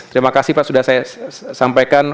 terima kasih pak sudah saya sampaikan